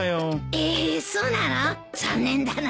えーっそうなの残念だなあ。